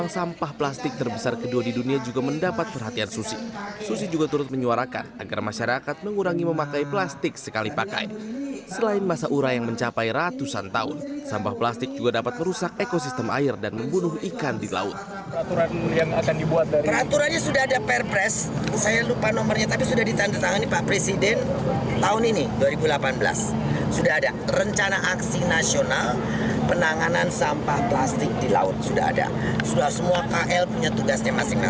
kampanye gemar makan ikan yang dilakukan susi bertujuan agar masyarakat lebih sering mengonsumsi ikan karena memiliki protein yang tersisa